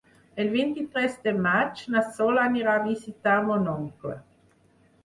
El vint-i-tres de maig na Sol anirà a visitar mon oncle.